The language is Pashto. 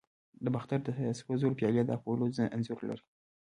د باختر د سرو زرو پیالې د اپولو انځور لري